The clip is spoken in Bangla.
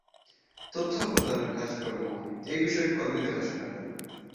তথ্য প্রদানের কাজ-কর্ম এই বিষয়ক কর্মী দেখাশুনা করেন।